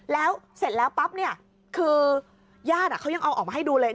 แล้วเสร็จแล้วปั๊บเนี่ยคือญาติเขายังเอาออกมาให้ดูเลย